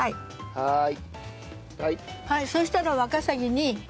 はい。